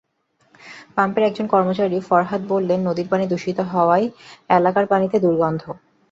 পাম্পের একজন কর্মচারী ফরহাদ বললেন, নদীর পানি দূষিত হওয়ায় এলাকার পানিতে দুর্গন্ধ।